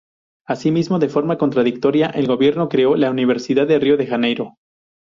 Así mismo, de forma contradictoria, el gobierno creó la Universidad de Río de Janeiro.